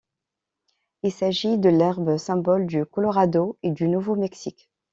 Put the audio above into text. Il s'agit de l'herbe symbole du Colorado et du Nouveau-Mexique.